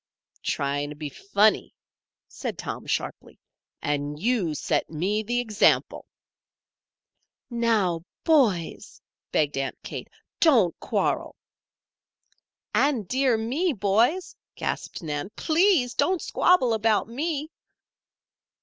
"Trying to be funny," said Tom, sharply. "And you set me the example." "Now, boys!" begged Aunt Kate. "Don't quarrel." "And, dear me, boys," gasped Nan, "please don't squabble about me."